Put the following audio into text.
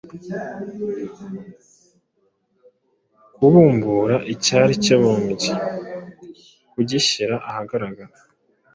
Kubumbura icyari kibumbye, kugishyira ahagaragara,